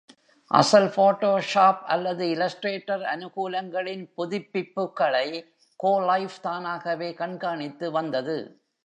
அசல் ஃபோட்டோஷாப் அல்லது இல்லஸ்ட்ரேட்டர் அனுகூலங்களின் புதுப்பிப்புகளை கோலைவ் தானாகவே கண்காணித்து வந்தது.